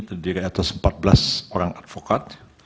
terdiri atas empat belas orang advokat